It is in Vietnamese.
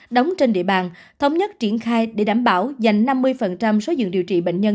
đóng trên địa bàn thống nhất triển khai để đảm bảo dành năm mươi số giường điều trị bệnh nhân